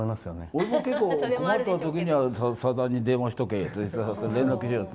俺も結構、困ったときはさだに電話しとけって。